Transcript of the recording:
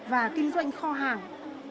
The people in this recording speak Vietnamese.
và kinh doanh kho hàng